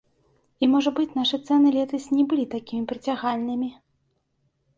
І можа быць, нашы цэны летась не былі такімі прыцягальнымі.